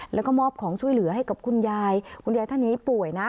แล้วก็มอบของช่วยเหลือให้กับคุณยายคุณยายท่านนี้ป่วยนะ